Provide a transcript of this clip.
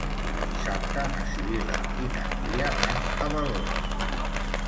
Dissabte na Sibil·la i na Núria van a Balones.